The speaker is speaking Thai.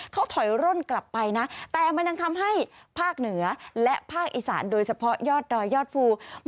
เขาถอยร่นกลับไปนะแต่มันยังทำให้ภาคเหนือและภาคอีสานโดยเฉพาะยอดดอยยอดภู